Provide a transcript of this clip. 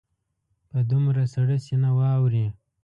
په دومره سړه سینه واوري.